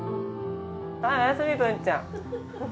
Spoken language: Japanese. はいおやすみ文ちゃん。